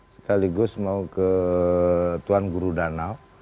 sekaligus mau ke tuan guru danau